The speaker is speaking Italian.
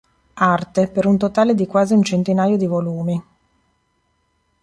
Arte, per un totale di quasi un centinaio di volumi.